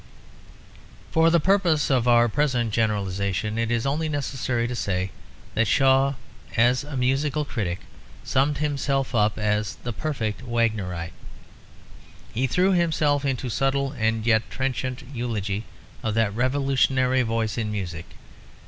For the purpose of our present generalisation it is only necessary to say that Shaw, as a musical critic, summed himself up as "The Perfect Wagnerite"; he threw himself into subtle and yet trenchant eulogy of that revolutionary voice in music.